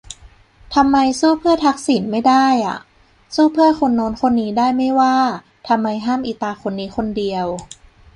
ทำไม สู้เพื่อทักษิณ ไม่ได้อ่ะ ? สู้เพื่อคนโน้นคนนี้ได้ไม่ว่า ทำไมห้ามอีตาคนนี้คนเดียว